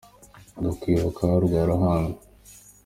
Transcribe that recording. Ndakwibuka rwa ruhanga